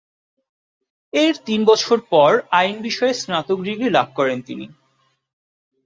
এর তিন বছর পর আইন বিষয়ে স্নাতক ডিগ্রী লাভ করেন তিনি।